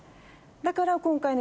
だから今回の。